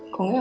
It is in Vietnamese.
có nghĩa là